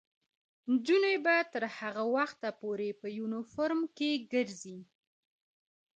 نجونې به تر هغه وخته پورې په یونیفورم کې ګرځي.